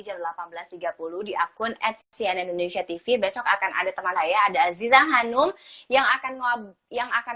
jumlah delapan belas tiga puluh di akun at sian indonesia tv besok akan ada teman saya ada aziza hanum yang akan